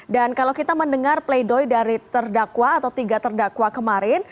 dan kalau kita mendengar play doi dari terdakwa atau tiga terdakwa kemarin